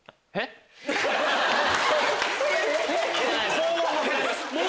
高音の「へっ？」です。